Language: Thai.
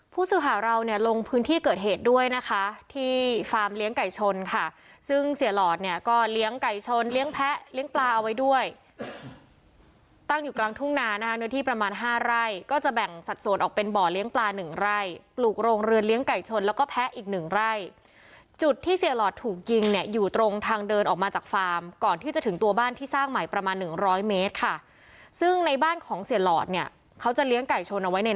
ผู้สืบสวยกำลังเร่งแกะรอยในการติดตามตัวคนร้อยในการติดตามตัวคนร้อยในการติดตามตัวคนร้อยในการติดตามตัวคนร้อยในการติดตามตัวคนร้อยในการติดตามตัวคนร้อยในการติดตามตัวคนร้อยในการติดตามตัวคนร้อยในการติดตามตัวคนร้อยในการติดตามตัวคนร้อยในการติดตามตัวคนร้อยในการติดตามตัวคนร้อยในการติดตาม